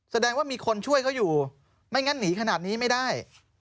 แสดงว่ามีคนช่วยเขาอยู่ไม่งั้นหนีขนาดนี้ไม่ได้